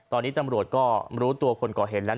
ตอนนี้ตำรวจก็รู้ตัวคนก่อเหตุแล้ว